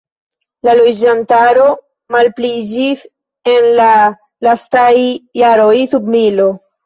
La loĝantaro malpliiĝis en la lastaj jaroj sub milo.